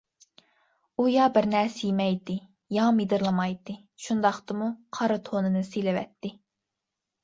ئۇ يا بىر نەرسە يېمەيتتى، يا مىدىرلىمايتتى، شۇنداقتىمۇ قارا تونىنى سېلىۋەتتى.